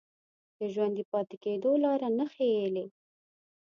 د ژوندي پاتې کېدو لاره نه ښييلې